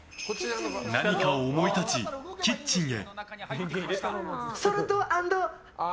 何かを思い立ち、キッチンへ。